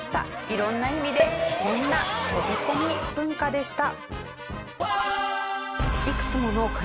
色んな意味で危険な飛び込み文化でした。